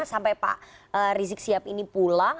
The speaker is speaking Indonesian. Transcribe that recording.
sampai pak rizik sihab ini pulang